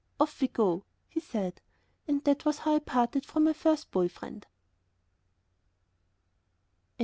"Off we go," he said. And that was how I parted from my first boy friend.